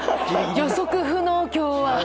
予測不能、今日は。